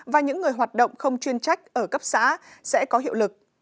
và những người hoạt động không chuyên trách ở cấp xã sẽ có hiệu lực